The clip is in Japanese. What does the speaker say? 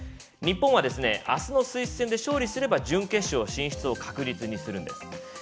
日本はあすのスイス戦で勝利すれば準決勝進出を確実にするんです。